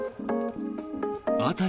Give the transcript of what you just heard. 辺り